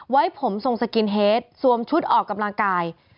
ไว้ผมทรงสกินเฮดสวมชุดออกกำลังกาย